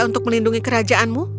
untuk melindungi kerajaanmu